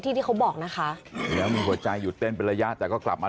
ที่ที่เขาบอกนะคะ